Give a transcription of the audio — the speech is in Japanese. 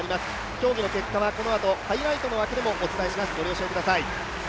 競技の結果はこのあと、ハイライトの枠でもお届けします、ご了承ください。